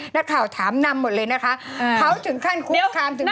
นักข่าวถามนำหมดเลยนะคะเขาถึงขั้นคุกคามถึง